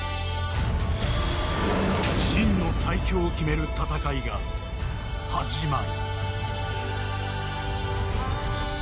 真の最強を決める戦いが始まる。